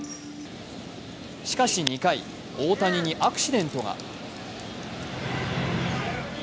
しかし、２回、大谷にアクシデントが。